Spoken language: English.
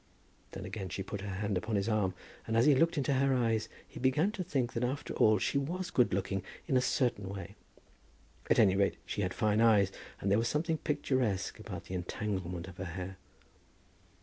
Then again she put her hand upon his arm, and as he looked into her eyes he began to think that after all she was good looking in a certain way. At any rate she had fine eyes, and there was something picturesque about the entanglement of her hair.